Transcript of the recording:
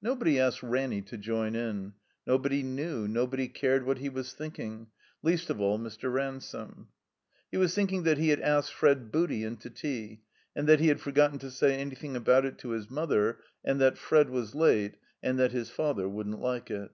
Nobody asked Ranny to join in; nobody knew, nobody cared what he was thinking, least of all Mr. Ransome. He was thinking that he had asked Fred Booty in to tea, and that he had forgotten to say anything about it to his mother, and that Fred was late, and that his father wouldn't like it.